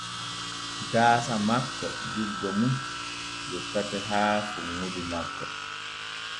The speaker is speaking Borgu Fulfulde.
Gaasa makko juggo mum yottake haa funŋudu makko.